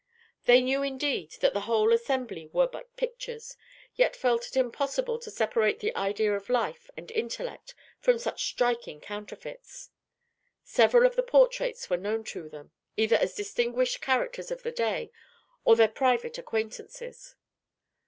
They knew, indeed, that the whole assembly were but pictures, yet felt it impossible to separate the idea of life and intellect from such striking counterfeits. Several of the portraits were known to them, either as distinguished characters of the day, or their private acquaintances.